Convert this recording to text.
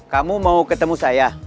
kamu mau ketemu saya